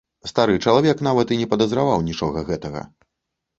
Стары чалавек нават і не падазраваў нічога гэтага.